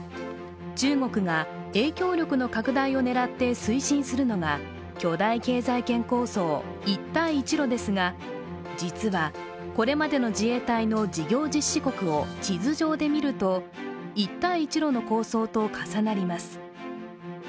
中国が影響力の拡大を狙って推進するのが巨大経済圏構想、一帯一路ですが、実は、これまでの自衛隊の事業実施国を地図上で見ると一帯一路の構想と重なります。